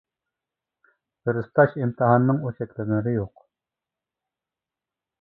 بىر تۇتاش ئىمتىھاننىڭ ئۇ چەكلىمىلىرى يوق.